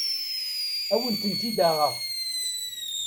Ad awen-ten-id-aɣeɣ.